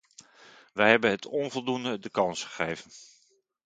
Wij hebben het onvoldoende de kans gegeven.